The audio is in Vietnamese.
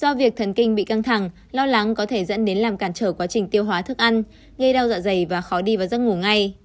do việc thần kinh bị căng thẳng lo lắng có thể dẫn đến làm cản trở quá trình tiêu hóa thức ăn gây đau dạ dày và khó đi vào giấc ngủ ngay